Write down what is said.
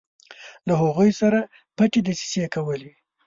له هغوی سره پټې دسیسې کولې.